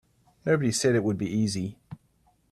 Nobody said it would be easy.